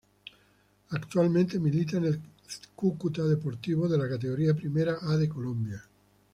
Actualmente milita en el Cúcuta Deportivo de la Categoría Primera A de Colombia.